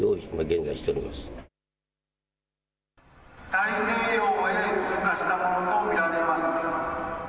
太平洋へ通過したものと見られます。